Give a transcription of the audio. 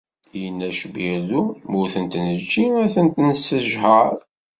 Yenna cbirdu, ma ur tent-nečči, ad tent-nessejɛer.